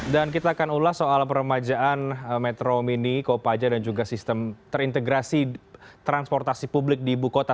dan kita akan ulas soal permajaan metro mini kopaja dan juga sistem terintegrasi transportasi publik di ibu kota